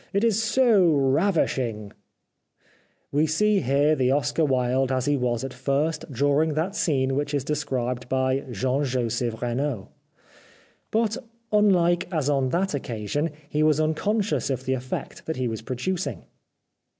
... It is so ravishing !" We see here the Oscar Wilde as he was at first during that scene which is described by Jean Joseph Renaud. But, unlike as on that occasion, he was unconscious of the effect that he was producing.